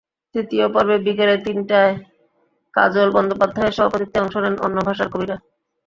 তৃতীয় পর্বে বিকেলে তিনটায় কাজল বন্দ্যোপাধ্যায়ের সভাপতিত্বে অংশ নেন অন্য ভাষার কবিরা।